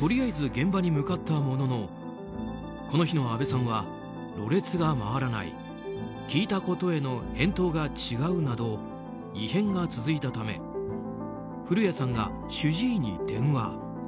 とりあえず現場に向かったもののこの日のあべさんはろれつが回らない聞いたことへの返答が違うなど異変が続いたため古家さんが主治医に電話。